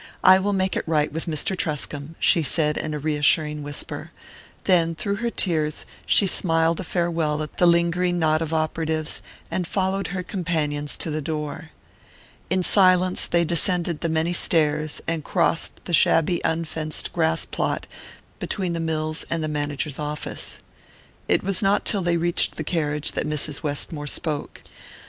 I will make it right with Mr. Truscomb," she said in a reassuring whisper; then, through her tears, she smiled a farewell at the lingering knot of operatives, and followed her companions to the door. In silence they descended the many stairs and crossed the shabby unfenced grass plot between the mills and the manager's office. It was not till they reached the carriage that Mrs. Westmore spoke.